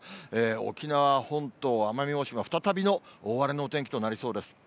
沖縄本島、奄美大島は再びの大荒れのお天気となりそうです。